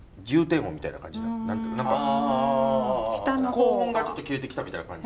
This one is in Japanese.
高音がちょっと切れてきたみたいな感じ。